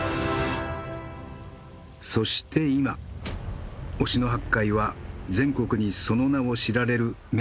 そして今忍野八海は全国にその名を知られる名所となったんだ。